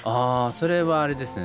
それはあれですね